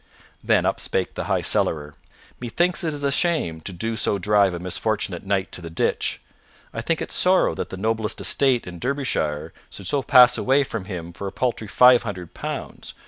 Then up spake the high cellarer, "Methinks it is a shame to so drive a misfortunate knight to the ditch. I think it sorrow that the noblest estate in Derbyshire should so pass away from him for a paltry five hundred pounds.